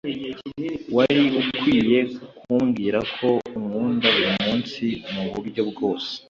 wari ukwiye kumbwira ko unkunda burimunsi, muburyo bwose.